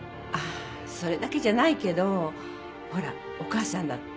それだけじゃないけどほらお母さんだって。